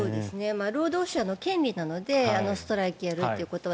労働者の権利なのでストライキやるということは。